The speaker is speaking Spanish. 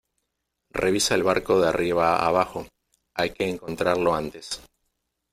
revisa el barco de arriba a abajo, hay que encontrarlo antes